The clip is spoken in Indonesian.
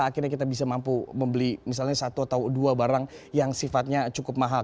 akhirnya kita bisa mampu membeli misalnya satu atau dua barang yang sifatnya cukup mahal